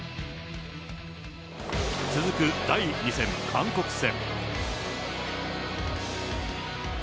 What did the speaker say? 続く第２戦、韓国戦。